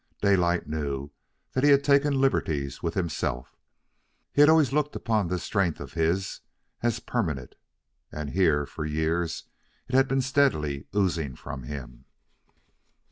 Daylight knew that he had taken liberties with himself. He had always looked upon this strength of his as permanent, and here, for years, it had been steadily oozing from him.